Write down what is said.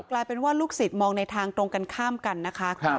กลายเป็นว่าลูกศิษย์มองในทางตรงกันข้ามกันนะคะ